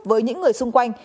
với những người xung quanh